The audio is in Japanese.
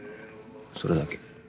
それだけ。